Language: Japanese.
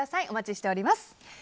お待ちしています。